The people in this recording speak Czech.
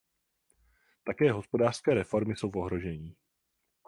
Také hospodářské reformy jsou v ohrožení.